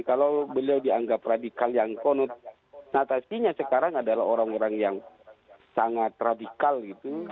kalau beliau dianggap radikal yang konod natasinya sekarang adalah orang orang yang sangat radikal gitu